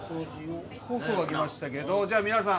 ホソが来ましたけどじゃあ皆さん。